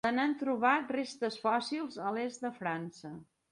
Se n'han trobat restes fòssils a l'est de França.